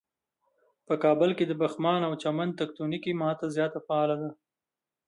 په کابل کې د پغمان او چمن تکتونیکی ماته زیاته فعاله ده.